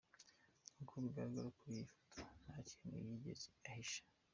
Nkuko bigaragara kuri iyi Foto nta kintu yigeze ahisha.